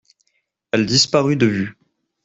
Elle disparut de vue.